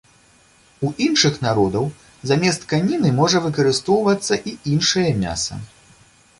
У іншых народаў замест каніны можа выкарыстоўвацца і іншае мяса.